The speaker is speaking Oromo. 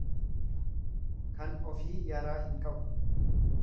Kan ofii yaraa hin qabu.